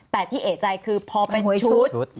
แต่ที่เอกใจคือพอไปหวยชุด